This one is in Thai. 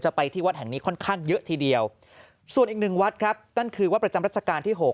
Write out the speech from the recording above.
ไปที่วัดแห่งนี้ค่อนข้างเยอะทีเดียวส่วนอีกหนึ่งวัดครับนั่นคือวัดประจำรัชกาลที่๖